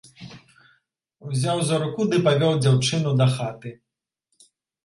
Узяў за руку ды павёў дзяўчыну дахаты!